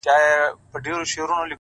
گرا ني خبري سوې پرې نه پوهېږم _